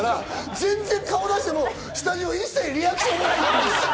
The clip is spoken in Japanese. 全然、顔出しても、スタジオ一切リアクションない。